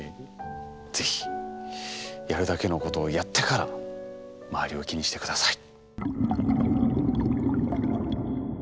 是非やるだけのことをやってから周りを気にして下さい。